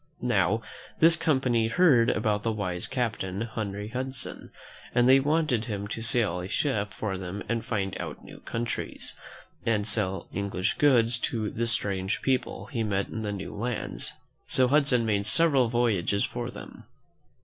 Now, this company heard about the wise captain, Henry Hudson, and they wanted him to sail a ship for them and find out new countries, and sell English goods to the strange people he met in the new lands; so Hudson made several voyages for them.